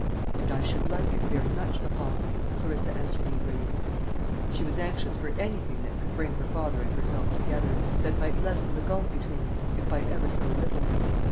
"And I should like it very much, papa," Clarissa answered eagerly. She was anxious for anything that could bring her father and herself together that might lessen the gulf between them, if by ever so little.